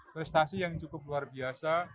prestasi yang cukup luar biasa